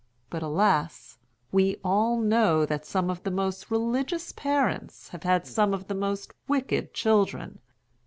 But alas! we all know that some of the most religious parents have had some of the most wicked children.